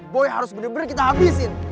woy harus bener bener kita habisin